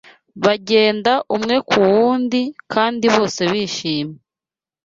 bagenda umwe ku wundi, kandi bose bishimye